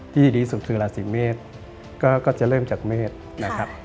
ดีสุดคือราศีเมษก็จะเริ่มจากเมษนะครับ